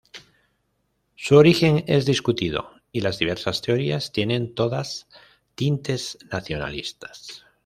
Su origen es discutido y las diversas teorías tienen todas tintes nacionalistas.